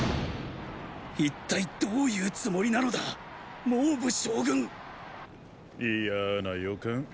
一体どういうつもりなのだ蒙武将軍嫌な予感。